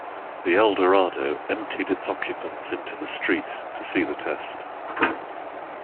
The Eldorado emptied its occupants into the street to see the test.